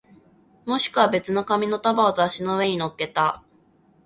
もしくは別の紙の束を雑誌の上に乗っけた